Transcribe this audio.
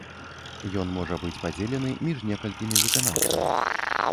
Ён можа быць падзелены між некалькімі выканаўцамі.